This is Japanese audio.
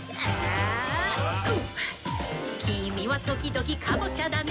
「きみはときどきカボチャだね」